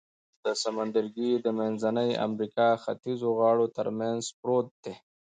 دا سمندرګي د منځنۍ امریکا ختیځو غاړو تر منځ پروت دی.